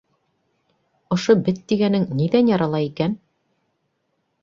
Ошо бет тигәнең ниҙән ярала икән?